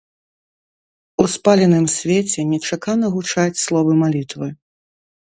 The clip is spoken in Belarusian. У спаленым свеце нечакана гучаць словы малітвы.